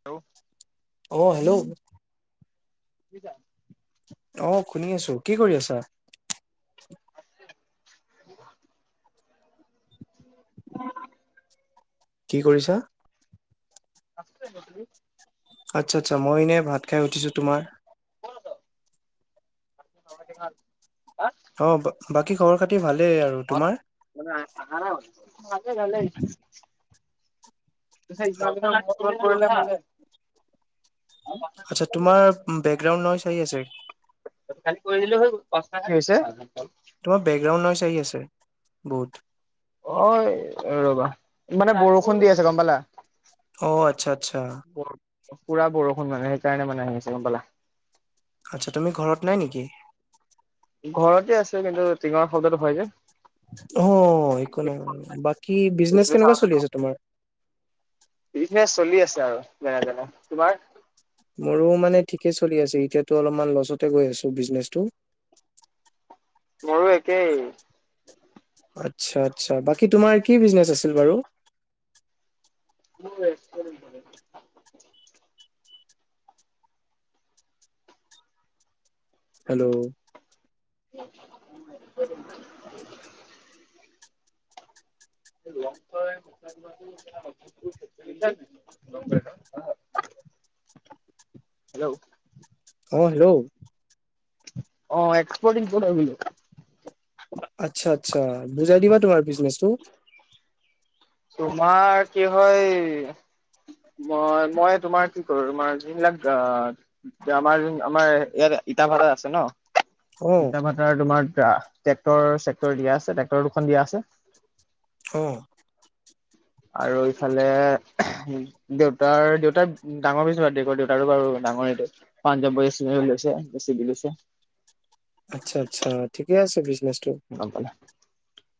Hello. অ' hello. শুনিছা? অঁ' শুনি আছো। কি কৰি আছা? [unintelligible] [inaudible] [unintelligible] কি কৰিছা? আছো এনেই। তুমি? আচ্ছা-আচ্ছা। মই এনেই ভাত খাই উঠিছোঁ তোমাৰ। খবৰ খাতি ভাল তোমাৰ? অঁ বা বাকী খবৰ খাতি ভালেই আৰু তোমাৰ? মানে আহানাই হলি নাকে গালেই। পিছে ইফাল সিফাল বহুত দূৰত পৰিলে লৈ আনোতে। আচ্ছা তোমাৰ বেকগ্ৰাউণ্ড নইছ আহি আছে। খালি কৰি দিলে হৈ গ'ল পাছতাহে থাকে অকল কি হৈছে? তোমাৰ বেকগ্ৰাউণ্ড নইছ আহি আছে বহুত। অঁ এ ৰবা মানে বৰষুণ দি আছে গম পালা। অঁ আচ্ছা আচ্ছা। পুৰা বৰষুণ মানে সেইকাৰণে মানে আহি আছে গম পালা। আচ্ছা তুমি ঘৰত নাই নেকি? ঘৰতে আছে কিন্তু টিঙৰ শব্দটো হয় যে। অঁ একো নাই বাৰু বাকী বিজনেচ কেনেকোৱা চলি আছে তোমাৰ? বিজনেছ চলি আছে আৰু যেনে তেনে তোমাৰ? মোৰো মানে ঠিকে চলি আছে এতিয়াাতো অলপমান লছতে গৈ আছোঁ বিজনেচটো। মোৰো একেই। আচ্ছা আচ্ছা বাকী তোমাৰ কি বিজনেচ আছিল বাৰু? মোৰ এটলিন পানী। হেল্লৌ! [unintelligible] লংকই পইছা দিব আছিল নেকি সেই দিনা মেচেজ কৰিছিল লংপেণ্টৰ। চিক চিক চিক। হেল্লৌ! অঁ হেল্লৌ! অঁ এক্সপৰ্ট ইমটপৰ্ট হয় বোলো। আচ্ছা আচ্ছা বুজাই দিবা তোমাৰ বিজনেচটো। তোমাৰ কি হয়। মই মই তোমাৰ কি কৰো তোমাৰ যোনবিলাক গা- এতিয়া আমাৰ আমাৰ ইয়াত ইটা ভাটা আছে ন। অ ইটা ভাতাৰ তোমাৰ ট্ৰেক্ৰট চেক্টৰ দিয়া আছে ট্ৰেক্টৰ দুখন দিয়া আছে। অঁ! আৰু ইফালে- দেউতাৰ দেউতাৰ ডাঙৰ হৈছ বাদদে কয় দেউতাৰো বাৰু ডাঙৰেই দে। পাঞ্জাব বোয়েজ নেহে লৈছা বেচি দি লৈছে। আচ্ছা আচ্ছা ঠিকে আছে বিজনেচ টো। গম পালা।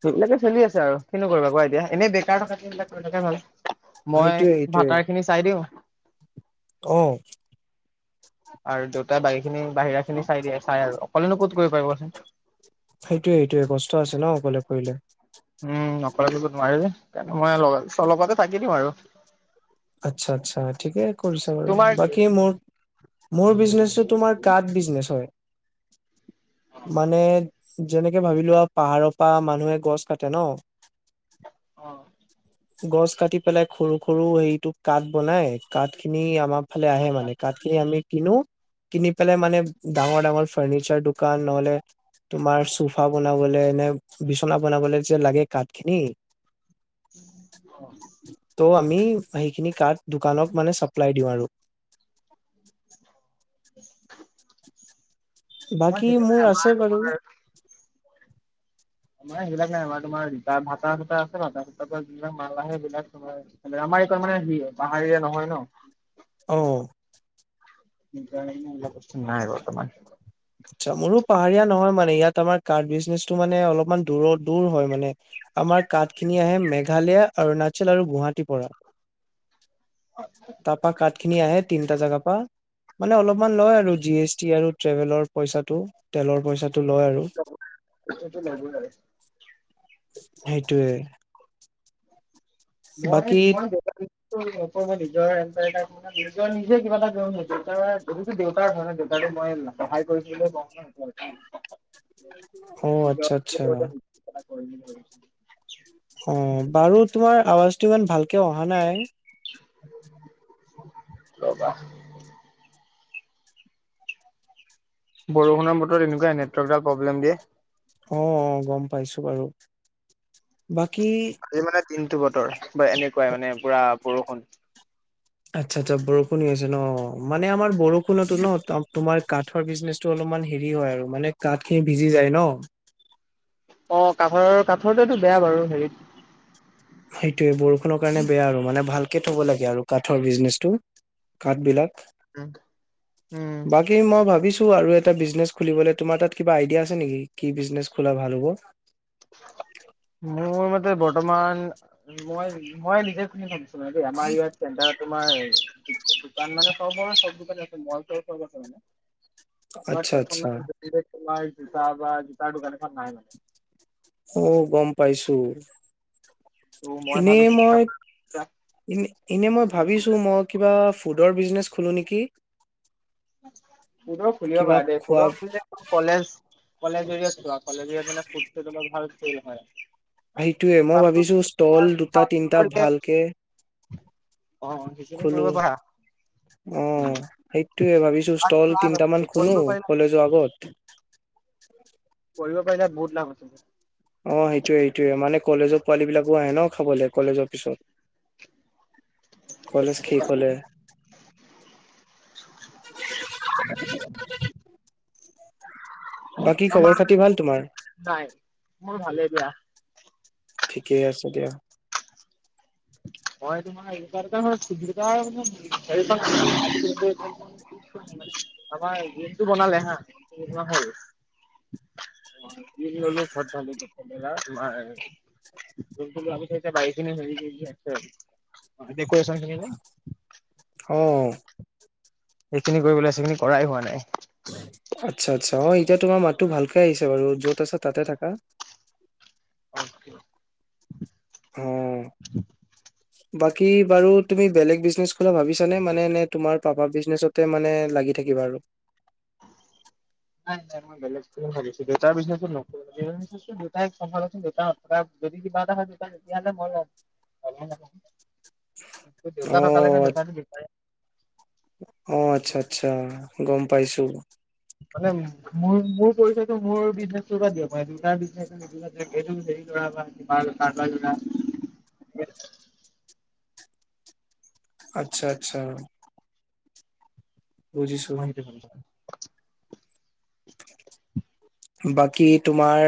সেইবিলাকে চলি আছে আৰু কিনো কৰিবা কোৱা এতিয়া এনেই বেকাৰ থকাতকে সেইবিলাক কৰি থকায়ে ভাল। মই সেইটোয়ে ভাটাৰ খিনি চাই দিওঁ। অঁ! আৰু দেউতাই বাকীখিনি বাহিৰা খিনি চাই দিয়ে চাই আৰু অকলেনো ক'ত কৰিব পাৰিবচোন। সেইটোয়ে সেইটোৱে কষ্ট আছে ন অকলে কৰিলে। উমঁ অকলে কৰিব নোৱাৰে যে দিব মইলগতে থাকি দিও আৰু। আচ্ছা আচ্ছা ঠিকে কৰিছা বাৰু তোমাৰ কি? বাকী মোৰ মোৰ বিজনেচটো তোমাৰ- কাঠ বিজনেছ হয়ঁ। মানে যেনেকে ভাবিলোৱা পাহাৰৰ পৰা মানুহে গছ কাটে ন। গছ কাটি পেলাই সৰু সৰু এই। তোক কাঠ বনাই কাঠখিনি আমাৰ ফালে আহে মানে কাঠখিনি আমি কিনো। কিনি পেলাই মানে ডাঙৰ ডাঙৰ ফাৰ্ণিচাৰ দোকান নহ'লে তোমাৰ চোফা বনাবলে নে বিছনা বনাবলে যে লাগে কাঠখিনি। অ'। ত' আমি সেইখিনি কাঠ দোকানক মানে চাপ্লাই দিওঁ আৰু। [inaudible] আমাৰ বাকী সেইটো নাই মোৰ আমাৰ আছে বাৰু। তোমাৰ আমাৰ সেইবিলাক নাই আমাৰ তোমাৰ ভাতা দুটা আছে ভাতা দুটাৰ পৰা যিবিলাক মাল আহে সেইবিলাক তোমাৰ সেইবিলাক আমাৰ এইকণ মানে পাহাৰীয়া নহয় ন। অ'। নাই বৰ্তমান। আচ্ছা মোৰো পাহাৰীয়া নহয় মানে ইয়াত আমাৰ কাঠ বিজনেছটো মানে অলপমান দূৰত দূৰ হয় মানে। আমাৰ কাঠ ৎখিনি আহে মেঘালয়া অৰুণাচল আৰু গুৱাহাটীৰ পৰা। তাৰপৰা কাঠ খিনি আহে তিনটা জাগা পৰা মানে অলপমান লয় আৰু জি এছ টি আৰু ট্ৰেভেলৰ পইচাটো তেলৰ পইচাটো লয় আৰু। সেইটো লবই আৰু। সেইটোৱে। মই বাকী মই [unintelligible] তোমাৰ নিজৰ নিজে কিবা এটা [unintelligible] দেউতাটো মই সহায় কৰিবলৈ [unintelligible] [inaudible] অ আচ্ছা আচ্ছা [inaudible] অ', বাৰু তোমাৰ আৱাজটো ইমান ভালকে অহা নাই। ৰ'বা বৰষুণৰ বতৰত এনেকুৱাই নেটৱৰ্কডাল প্ৰব্লেম দিয়ে। অ', অ', গম পাইছো বাৰু, বাকী এই মানে দিনটো বতৰ বা এনেকুৱাই মানে পুৰা বৰষুণ। আচ্ছা আচ্ছা বৰষুণ হৈ আছে ন মানে আমাৰ বৰষুণতো ন তোমাৰ কাঠৰ বিজনেচ টো অলপমান হেৰি হয় আৰু মানে কাঠখিনি ভিজি যায় ন। অ', কাঠৰ কাঠৰটো এইটো বেয়া বাৰু হেৰিত। সেইটোয়ে বৰষুণৰ কাৰণে বেয়া আৰু মানে ভালকে থ'ব লাগে আৰু কাঠৰ বিজনেচটো। কাঠ বিলাক, উম উম বাকী মই ভাবিছো আৰু এটা বিজনেছ খুলিবলৈ তোমাৰ তাত কিবা আইডিয়া আছে নেকি কি বিজনেছ খোলা ভাল হ'ব? মোৰ মতে বৰ্তমান মই মই নিজে [unintelligible] তো নহয় দে আমাৰ ইয়াত চেণ্টাৰত তোমাৰ দোকান মানে চবৰ চব দোকান আছে মল চল চব আছে মানে। [unintelligible] আচ্ছা তোমাৰ আচ্ছা জোতা বা জোতাৰ দোকান এখন নাই মানে। অ', গম পাইছো, ত' মই এনেই ভাবিছো মই এনেই এনেই মই ভাবিছো মই কিবা ফুডৰ বিজনেছ খোলো নেকি। [inaudible] ফুডৰ খুলিব ফুলিব কিবা পাৰা দেই খোৱা ফুডৰ কলেজ কলেজ এৰিয়াত যোৱা কলেজ এৰিয়া মানে ফুুডতো তোমাৰ ভাল চেইল হয়। সেইটোয়ে মই ফাষ্ট ভাবিছো ষ্টল দুটা তিনটা ফুড ভালকে অ', সেই খোলো অ' সেইটোয়ে ভাবিছো ষ্টল উম লাভ তিনটামান আছে খোলো কৰিব পাৰিলে কলেজ যোৱা আগত। কৰিব পাৰিলে বহুত লাভ আছিলে। অঁ' সেইটোয়ে সেইটোয়ে মানে কলেজৰ পোৱালী বিলাকো আহে ন' খাবলৈ কলেজৰ পিছত। [unintelligible] শেষ [unintelligible] [unintelligible] বাকী আমাৰ খবৰ খাতি ভাল তোমাৰ? নাই, মোৰ ভালে দিয়া। ঠিকেই আছে দিয়া। হয় তোমাৰ এ [unintelligible] মানে [unintelligible] আমাৰ জিমটো বনালে হা তিনি মাহ হ'ল। [unintelligible] [unintelligible] অঁ। সেইখিনি কৰিব আছে, সেইখিনি কৰাই হোৱা নাই। আচ্ছা'-আচ্ছা' অঁ' এতিয়া তোমাৰ মাততো ভালকে আহিছে বাৰু য'ত আছে তাতে থাকা। [unintelligible] উম। বাকী বাৰু তুমি বেলেগ বিজনেছ খোলা ভাবিছা নে মানে এনে তোমাৰ পাপা বিজনেচত মানে লাগি থাকিবা আৰু? নাই নাই, মই বেলেগ ভাবিছো, [unintelligible] দেউতাই [unintelligible] দেউ যদি কিবা এটা হয় তো তেতিয়াহ'লে মই [unintelligible] [unintelligible] দেউতা অ থাকা লৈকে দেউতাটো বিছাৰে। অঁ' আচ্ছা'-আচ্ছা' গম পাইছোঁ। মানে মোৰ, মোৰ পৰিচয়টো মোৰ বিজনেচ পৰা দিব পাৰে, দেউতাৰ - এই হেৰি লৰা বা কিবা কাৰোবাৰ লৰা- আচ্ছা'-আচ্ছা' অঁ'। বুজিছো [unintelligible] বাকী তোমাৰ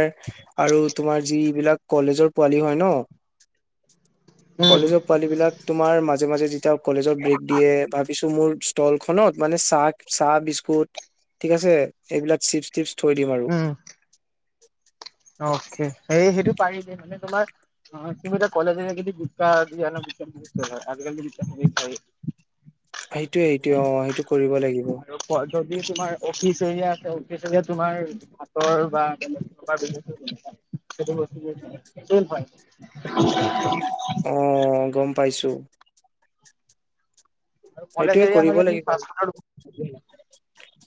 আৰু তোমাৰ যিবিলাক কলেজৰ পোৱালি হয় ন'- [unintelligible] উম কলেজৰ পোৱালী বিলাক তোমাৰ মাজে মাজে যেতিয়া কলেজত ব্ৰেক দিয়ে ভাবিছো মোৰ- ষ্টল খনত মানে চাহ, চাহ বিস্কুট ঠিক আছে এইবিলাক চিপছ টিপছ থৈ দিম আৰু। উমঁ। [unintelligible] অকে, সেই সেইটো পাৰিম এ মানে তোমাৰ অঁ তুমি এতিয়া কলেজে যদি [unintelligible] আজিকালি [unintelligible] সেইটোৱে সেইটোৱে অঁ' সেইটো কৰিব লাগিব। আৰু যদি তোমাৰ অফিচ এৰিয়া আছে অফিচ এৰিয়াত তোমাৰ হাতৰ বা তেনে [unintelligible] [unintelligible] [unintelligible] অঁ' গম পাইছোঁ। আৰু কলেজ সেইটোয়ে এৰিয়া কৰিব হ'লে লাগিব আৰু তুমি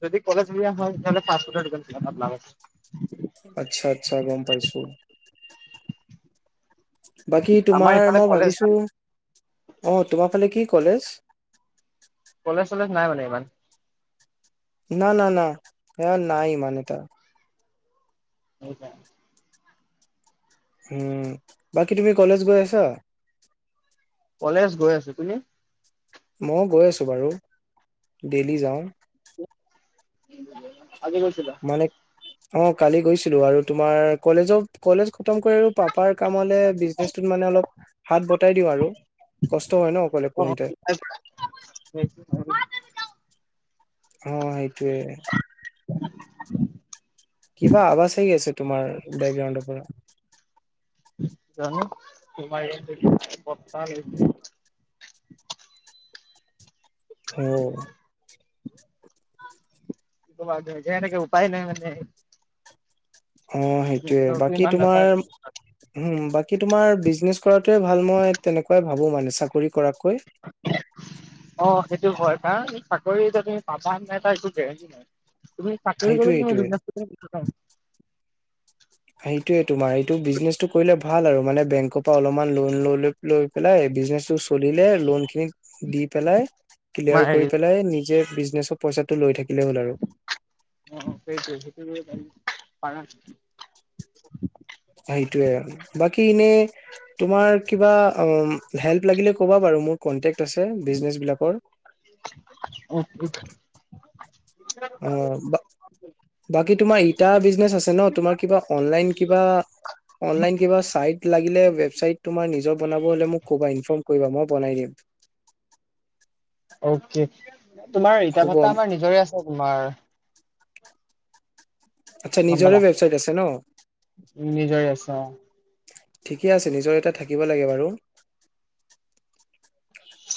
যদি কলেজ এৰিয়া হ‌য় তেতিয়া হ'লে ফাৰ্ষ্ট ফুডৰ [unintelligible] আচ্ছা'-আচ্ছা' গম পাইছোঁ। বাকী আমাৰ তোমাৰ ইফালে ম' কলেজ ভাবিছো অঁ তোমাৰ ফালে কি কলেজ? কলেজ চলেজ নাই মানে, ইমান? না না না, সেয়া নাই মানে এটা। সেইকাৰণে হুম, বাকী তুমি কলেজ গৈ আছা? কলেজ গৈ আছো, তুমি? ময়ো গৈ আছোঁ বাৰু, দেইলী যাওঁ। আজি গৈছিলা? মানে অঁ, কালি গৈছিলো আৰু তোমাৰ কলেজত কলেজ খতম কৰি আৰু পাপাৰ কামলে বিজনেচটোত মানে অলপ হাত বতাই দিওঁ আৰু কষ্ট হয় ন' অকলে কৰোনতে [unintelligible] অঁ সেইটোৱে। কিবা আৱাজ আহি আছে তোমাৰ, বেগগ্ৰাউণ্ডৰ পৰা জানো তোমাৰ ইয়াত পট্টা [unintelligible] হয় অ' [unintelligible] কি ক'বা ঘেৰঘেৰাই থাকে উপায় নাই মানে। অঁ সেইটোয়ে, নেটৱৰ্কটো বাকী ইমান তোমাৰ নাপায় হুম, বাকী তোমাৰ বিজনেছ কৰাটোৱে ভাল, মই তেনেকুৱাই ভাবোঁ মানে চাকৰি কৰাতকৈ। [inaudible] অ', সেইটো হয়, কাৰণ চাকৰি এতিয়া তুমি পাবা নাই, একো গেৰেণ্টি নাই তুমি। চাকৰি সেইটোয়ে কৰি [unintelligible] সেইটোয়ে বিজনেছটোকে [unintelligible] সেইটোয়ে তোমাৰ, এইটো বিজনেচটো কৰিলে ভাল আৰু মানে বেংকৰ পৰা অলপমান লোন লৈ লৈ লৈ পেলাই, বিজনেচটো চলিলে লোণখিনি দি পেলাই ক্লিয়াৰ কৰি পেলাই, নিজে বিজনেচৰ পইচাটো লৈ থাকিলেই হ'ল আৰু। অ সেইটোযে সেইটো কৰিব পাৰি পাৰা সেইটোৱে আৰু বাকী ইনেই তোমাৰ কিবা উম হেল্প লাগিলে ক'বা বাৰু, মোৰ কন্টেক্ট আছে বিজনেচ বিলাকৰ। অঁহ অঁ অঁ বা বাকী তোমাৰ ই ইটা বিজনেচ আছে ন? তোমাৰ কিবা অনলাইন কিবা অনলাইন কিবা চাইট লাগিলে, ৱেবচাইট তোমাৰ নিজৰ বনাব হ'লে মোক কবা ইনফম কৰিবা, মই বনাই দিম। অ'কে, তোমাৰ হ'ব ইটা-ভাটা আমাৰ নিজৰে আছে, তোমাৰ আচ্ছা, গম পালা নিজৰে ৱেবছাইট আছে ন'? নিজৰে আছে অঁ। ঠিকে আছে, নিজৰ এটা থাকিব লাগে বাৰু।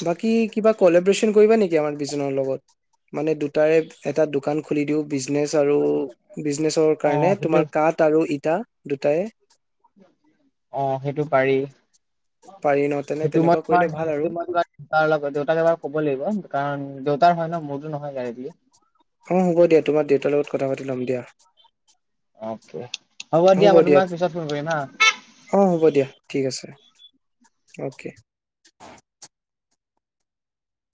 বাকী, কিবা কলেবৰেচন কৰিবা নেকি আমাৰ বিজনৰ লগত? মানে দুটাৰে এটা দোকান খুলি দিও বিজনেচ আৰু বিজনেচৰ অ কাৰণে, সেইটো তোমাৰ কাঁঠ আৰু ইটা দুটাই অঁ, সেইটো পাৰি। পাৰি ন তেনে সেইটো তেনেকুৱা মই তোমাৰ কৰিলে ভাল আৰু [unintelligible] তাৰ লগত, দেউতাক এবাৰ ক'ব লাগিব, কাৰণ দেউতাৰ হয় ন' মোৰতো নহয় ডাইৰেক্টলি। অঁ, হ'ব দিয়া, তোমাৰ দেউতাৰ লগত কথা পাতি ল'ম দিয়া। অ'কে, হ'ব দিয়া, মই তোমাক পিছত ফোন কৰিম হাঁ। অঁ হ'ব দিয়া, ঠিক আছে, অ'কে।